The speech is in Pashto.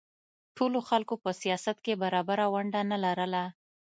ټولو خلکو په سیاست کې برابره ونډه نه لرله.